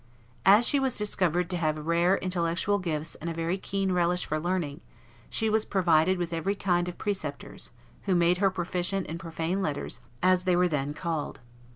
] As she was discovered to have rare intellectual gifts and a very keen relish for learning, she was provided with every kind of preceptors, who made her proficient in profane letters, as they were then called.